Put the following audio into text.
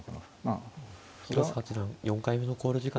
広瀬八段４回目の考慮時間に。